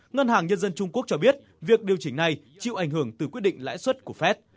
ngân hàng nhân dân trung quốc cho biết việc điều chỉnh này chịu ảnh hưởng từ quyết định lãi suất của fed